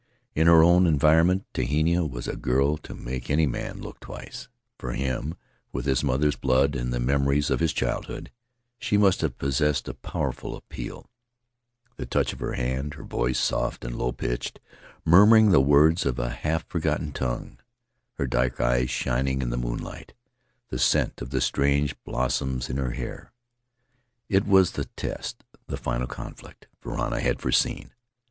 In her own environment Tehina was a girl to make any man look twice; for him, with his mother's blood and the memories of his childhood, she must have possessed a powerful appeal — the touch of her hand; her voice, soft and low pitched, murmuring the words of a half forgotten tongue; her dark eyes shining in the moon light; the scent of the strange blossoms in her hair. It was the test, the final conflict Varana had foreseen.